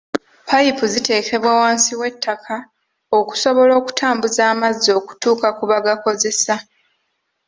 Payipu ziteekebwa wansi w'ettaka okusobola okutambuza amazzi okutuuka ku bagakozesa.